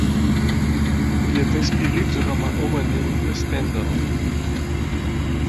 Il est inspiré du roman homonyme de Stendhal.